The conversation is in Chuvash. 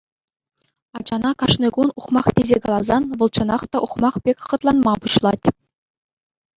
Ачана кашни кун ухмах тесе каласан, вӑл чӑнах та ухмах пек хӑтланма пуҫлать.